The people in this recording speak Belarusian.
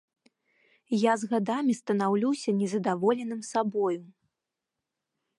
Я з гадамі станаўлюся незадаволеным сабою.